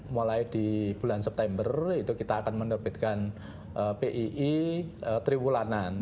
mulai di bulan september itu kita akan menerbitkan pii triwulan